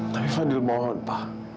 tapi fadil mohon pa